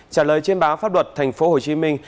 trả lời trên báo pháp luật thành phố hồ chí minh